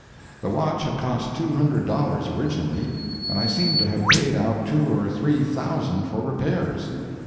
The watch had cost two hundred dollars originally, and I seemed to have paid out two or three thousand for repairs.